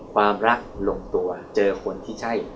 ความรักลงตัวเจอคนที่ใช่